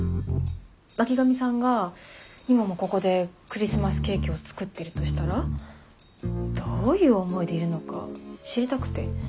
巻上さんが今もここでクリスマスケーキを作ってるとしたらどういう思いでいるのか知りたくて。